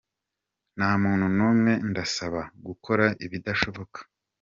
Nta muntu n’ umwe ndasaba gukora ibidashoboka.